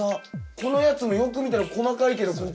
このやつもよく見たら細かいけどここ。